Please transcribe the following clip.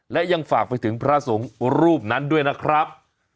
และยังฝากไปถึงพระสงฆ์รูปนั้นด้วยนะครับ